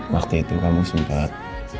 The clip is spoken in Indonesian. waktu itu kamu sempat